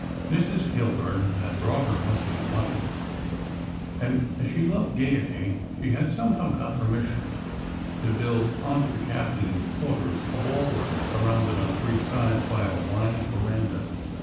74 SECRET HISTORY Mrs. Kilburn had brought her husband money; and as she loved gayety she had somehow got permission to build on to the captain s quarters a ballroom surrounded on three sides by a wide veranda.